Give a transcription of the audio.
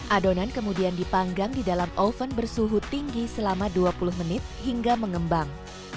adonan kemudian dipanggang di dalam oven bersuhu tinggi selama dua puluh menit hingga mengembang